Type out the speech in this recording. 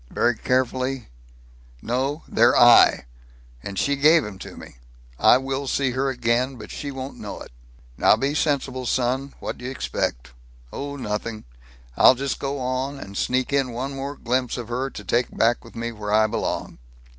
Very carefully: "No; they're I! And she gave 'em to me! I will see her again! But she won't know it. Now be sensible, son! What do you expect? Oh nothing. I'll just go on, and sneak in one more glimpse of her to take back with me where I belong."